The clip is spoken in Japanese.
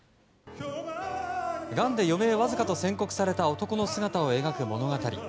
がんで余命わずかと宣告された男の姿を描く物語。